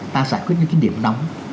ta giải quyết những điểm nóng